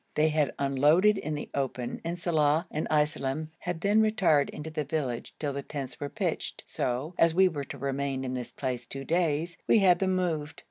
They had unloaded in the open and Saleh and Iselem had then retired into the village till the tents were pitched, so, as we were to remain in this place two days, we had them moved.